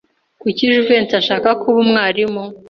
Kuki Jivency ashaka kuba umwarimu?